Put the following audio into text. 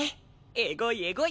エゴいエゴい！